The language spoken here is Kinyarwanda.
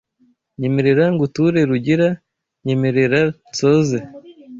Nyemerera nguture Rugira, nyemerera nsoze